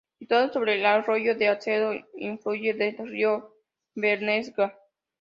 Situado sobre el arroyo de Alcedo, afluente del río Bernesga.